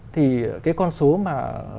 thì cái con số mà